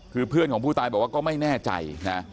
คือเพื่อนของผู้ตายบอกว่าก็ไม่แน่ใจนะ